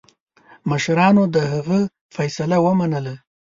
مشرانو د هغه فیصله ومنله.